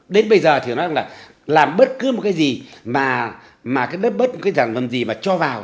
đến bây giờ thì nói rằng là làm bất cứ một cái gì mà cái đất bớt cái dạng vần gì mà cho vào